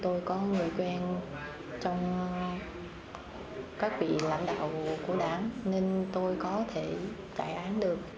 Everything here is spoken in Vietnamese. tôi có người quen trong các vị lãnh đạo của đảng nên tôi có thể trại án được